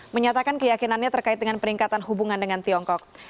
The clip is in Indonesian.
menyatakan keyakinannya terkait dengan peningkatan hubungan dengan tiongkok